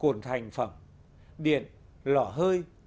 khu bồn cồn thành phẩm điện lỏ hơi